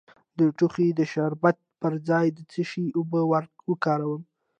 د ټوخي د شربت پر ځای د څه شي اوبه وکاروم؟